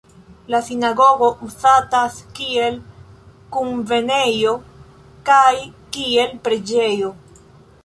La sinagogo uzatas kiel kunvenejo kaj kiel preĝejo.